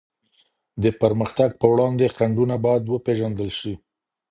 د پرمختګ په وړاندي خنډونه بايد وپېژندل سي.